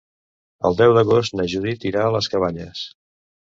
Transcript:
El deu d'agost na Judit irà a les Cabanyes.